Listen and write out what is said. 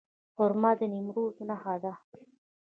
خرما د نیمروز نښه ده.